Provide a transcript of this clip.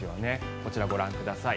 こちらご覧ください。